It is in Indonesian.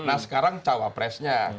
nah sekarang cawapresnya